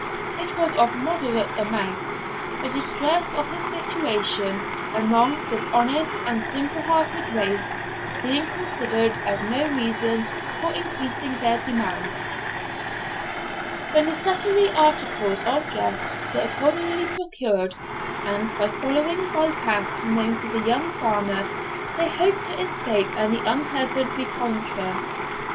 It was of moderate amount; the distress of his situation, among this honest and simple hearted race, being considered as no reason for increasing their demand. The necessary articles of dress were accordingly procured, and, by following by paths known to the young farmer, they hoped to escape any unpleasant rencontre.